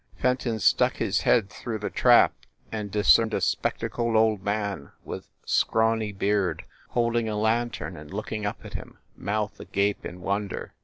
Fenton stuck his head through the trap, and dis cerned a spectacled old man with scrawny beard, holding a lantern, and looking up at him, mouth agape in wonder.